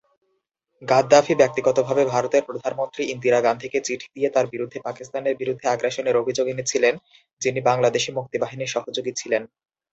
Gaddafi ব্যক্তিগতভাবে ভারতের প্রধানমন্ত্রী ইন্দিরা গান্ধীকে চিঠি দিয়ে তার বিরুদ্ধে পাকিস্তানের বিরুদ্ধে আগ্রাসনের অভিযোগ এনেছিলেন, যিনি বাংলাদেশী মুক্তিবাহিনীর সহযোগী ছিলেন।